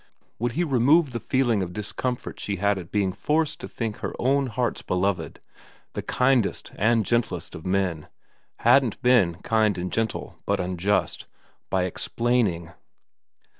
Would he remove the feeling of discomfort she had at being forced to think her own heart's beloved, the kindest and gentlest of men, hadn't been kind and gentle but unjust, by explaining